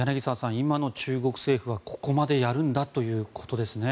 今の中国政府はここまでやるんだということですね。